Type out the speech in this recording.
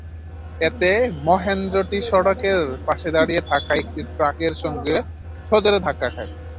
এতে মাহেন্দ্রটি সড়কের পাশে দাঁড়িয়ে থাকা একটি ট্রাকের সঙ্গে সজোরে ধাক্কা খায়।